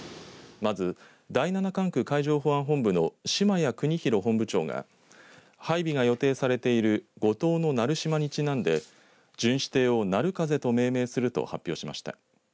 まず第七管区海上保安本部の島谷邦博本部長が配備が予定されている五島の成島にちなんで巡視艇をなるかぜと命名すると発表しました。